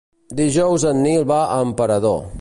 Dijous en Nil va a Emperador.